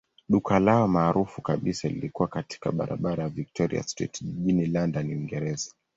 Duka lao maarufu kabisa lilikuwa katika barabara ya Victoria Street jijini London, Uingereza.